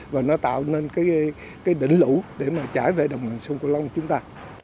và nó tạo nên đỉnh lũ để trải về đồng bằng sông cửu long chúng ta